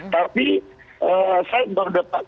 tapi saya baru dapat